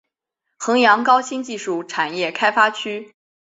衡阳高新技术产业开发区